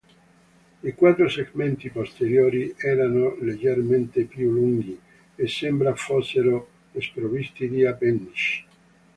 I quattro segmenti posteriori erano leggermente più lunghi e sembra fossero sprovvisti di appendici.